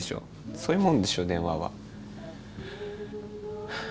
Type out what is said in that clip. そういうもんでしょ電話は。